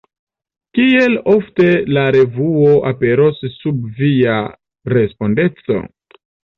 Kiel ofte la revuo aperos sub via respondeco?